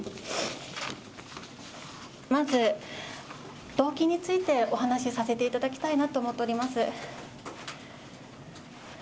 まず、動機についてお話させていただきたいなと思っております。